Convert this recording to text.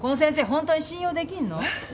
ホントに信用できんの？